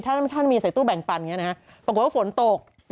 ถ้าท่านมีใส่ตู้แบ่งปันอย่างนี้นะฮะปรากฏว่าฝนตก